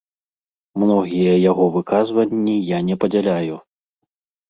Многія яго выказванні я не падзяляю.